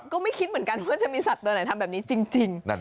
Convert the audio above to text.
ก็ไม่คิดเหมือนกันว่าจะมีสัตว์ตัวไหนทำแบบนี้จริง